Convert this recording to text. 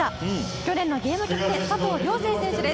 去年のゲームキャプテン佐藤涼成選手です。